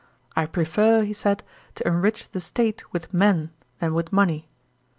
" I prefer," he said, " to enrich the state with men than with money."